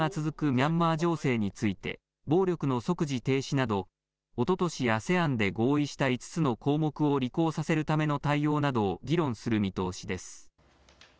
ミャンマー情勢について暴力の即時停止などおととしＡＳＥＡＮで合意した５つの項目を履行させるための対応などを議論する見通しです。